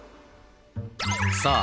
．さあ